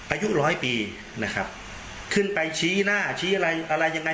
อายุร้อยปีนะครับขึ้นไปชี้หน้าชี้อะไรอะไรยังไง